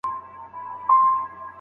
هغوی له بدو خلګو سره ملګرتیا نه کوي.